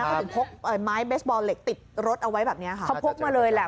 เขาถึงพกไม้เบสบอลเหล็กติดรถเอาไว้แบบเนี้ยค่ะเขาพกมาเลยแหละ